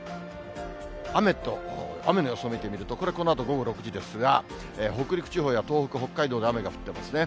雨の予想を見てみると、これ、このあと午後６時ですが、北陸地方や東北、北海道で雨が降ってますね。